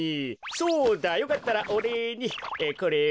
そうだよかったらおれいにこれを。